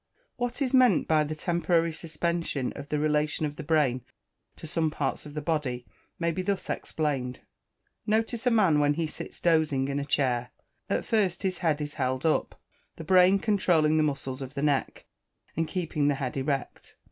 What is meant by the temporary suspension of the relation of the brain to some parts of the body, may be thus explained. Notice a man when he sits dosing in a chair: at first his head is held up, the brain controlling the muscles of the neck, and keeping the head erect.